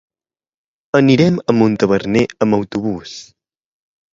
Anirem a Montaverner amb autobús.